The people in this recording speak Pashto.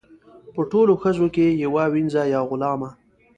په ټولو ښځو کې یوه وینځه یا غلامه.